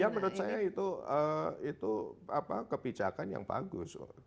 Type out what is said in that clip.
ya menurut saya itu kebijakan yang bagus